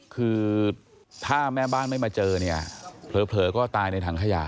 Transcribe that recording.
คือถ้าแม่บ้านไม่มาเจอเนี่ยเผลอก็ตายในถังขยะ